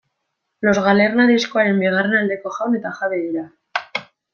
Los Galerna diskoaren bigarren aldeko jaun eta jabe dira.